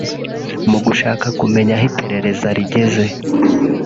Mu gushaka kumenya aho iperereza rigeze